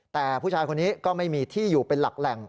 แต่ผู้ชายคนนี้ก็ไม่มีที่อยู่เป็นหลักแหล่ง